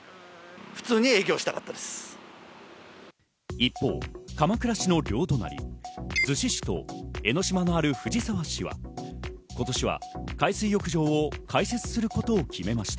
一方、鎌倉市の両隣、逗子市と江ノ島のある藤沢市は今年は海水浴場を開設することを決めました。